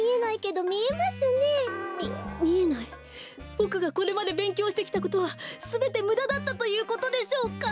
ボクがこれまでべんきょうしてきたことはすべてむだだったということでしょうか？